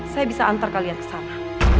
saya bisa antar kalian kesana